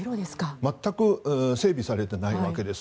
全く整備されていないわけです。